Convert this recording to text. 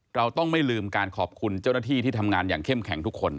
เราต้องไม่ลืมการขอบคุณเจ้าหน้าที่ที่ทำงานอย่างเข้มแข็งทุกคน